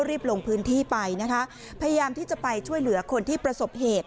รีบลงพื้นที่ไปนะคะพยายามที่จะไปช่วยเหลือคนที่ประสบเหตุ